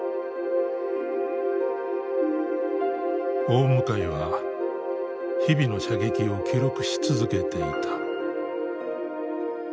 大向は日々の射撃を記録し続けていた。